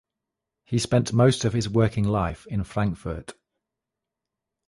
He spent most of his working life in Frankfurt.